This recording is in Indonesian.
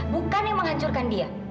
bukan yang menghancurkan dia